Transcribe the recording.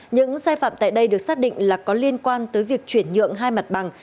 những sai phạm tại đây được xác định là có liên quan tới việc chuyển nhượng hai mặt bằng